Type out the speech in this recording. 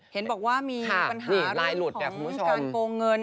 เห็นบอกว่ามีปัญหาเรื่องของการโกงเงิน